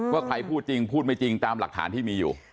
ว่าใครพูดจริงพูดไม่จริงตามหลักฐานที่มีอยู่